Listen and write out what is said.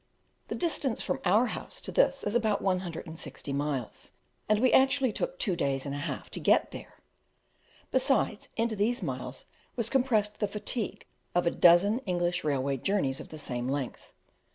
The distance from our house to this is about 160 miles, and we actually took two days and a half to get here! besides, into these miles was compressed the fatigue of a dozen English railway journeys of the same length.